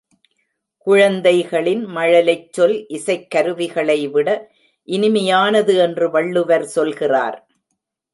குழந்தைகளின் மழலைச் சொல் இசைக் கருவிகளை விட இனிமையானது என்று வள்ளுவர் சொல்கிறார்.